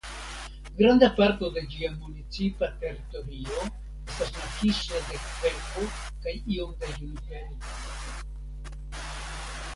Granda parto de ĝia municipa teritorio estas makiso de kverko kaj iom da junipero.